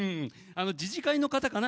自治会の方かな？